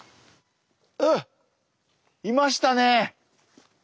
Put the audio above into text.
ああいましたね。